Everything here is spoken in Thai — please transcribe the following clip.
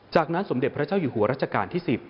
จากนั้นสมเด็จพระเจ้าอยู่หัวรัชกาลที่๑๐